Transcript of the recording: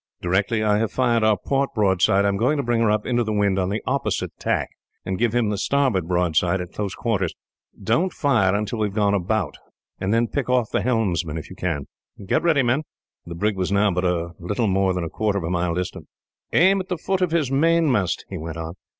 Directly I have fired our port broadside, I am going to bring her up into the wind on the opposite tack, and give him the starboard broadside at close quarters. Don't fire until we have gone about, and then pick off the helmsmen, if you can. "Get ready, men." The brig was now but a little more than a quarter of a mile distant. "Aim at the foot of his mainmast," he went on.